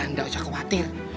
nggak usah khawatir